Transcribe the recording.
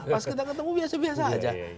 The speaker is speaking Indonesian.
pas kita ketemu biasa biasa aja